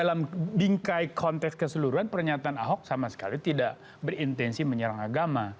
dalam bingkai konteks keseluruhan pernyataan ahok sama sekali tidak berintensi menyerang agama